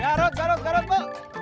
garut garut garut bu